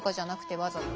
わざと。